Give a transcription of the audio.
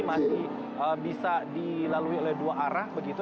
masih bisa dilalui oleh dua arah begitu